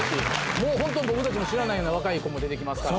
もうほんと僕たちも知らないような若い子も出てきますから。